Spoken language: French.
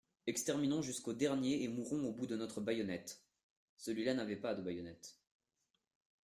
Exterminons jusqu'au dernier et mourons au bout de notre bayonnette ! Celui-là n'avait pas de bayonnette.